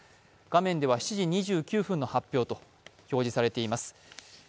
画面では７時２９分の発表と表示されています。